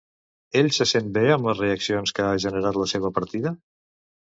Ell se sent bé amb les reaccions que ha generat la seva partida?